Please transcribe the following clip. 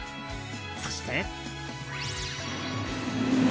そして。